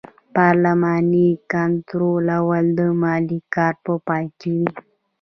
پارلماني کنټرول د مالي کال په پای کې وي.